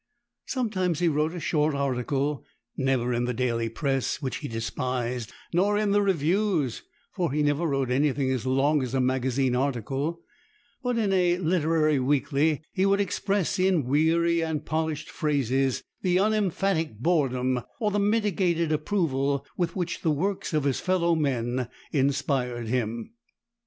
Sometimes he wrote a short article; never in the daily Press, which he despised, nor in the reviews (for he never wrote anything as long as a magazine article), but in a literary weekly he would express in weary and polished phrases the unemphatic boredom or the mitigated approval with which the works of his fellow men inspired him.